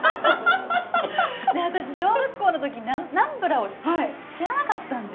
私小学校の時ナンプラーを知らなかったんで。